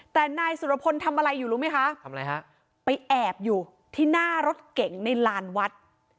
แต่นายสุรพลทำอะไรอยู่รู้ไหมคะทำอะไรฮะไปแอบอยู่ที่หน้ารถเก๋งในลานวัด